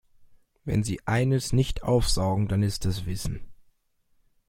Wenn sie eines nicht aufsaugen, dann ist es Wissen.